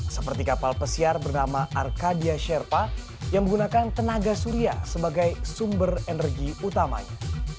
seperti kapal pesiar bernama arcadia sherpa yang menggunakan tenaga surya sebagai sumber energi utamanya